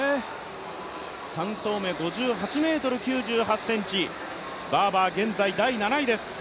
３投目、５８ｍ９１ｃｍ、バーバー、現在第７位です。